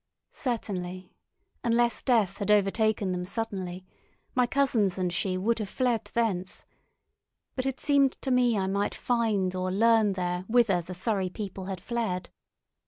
Certainly, unless death had overtaken them suddenly, my cousins and she would have fled thence; but it seemed to me I might find or learn there whither the Surrey people had fled.